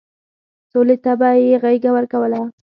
سولې ته به يې غېږه ورکوله.